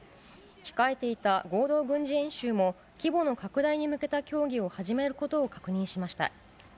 控えていた合同軍事演習も、規模の拡大に向けた協議を始めることを確認しました。